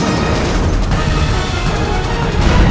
aku akan menanggiri